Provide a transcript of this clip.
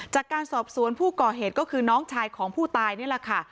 จากการสอบสวนผู้ก่อเหตุก็คือน้องชายของผู้ตายนี่แหละค่ะ